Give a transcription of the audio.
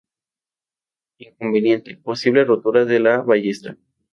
Inconveniente: Posible rotura de la ballesta.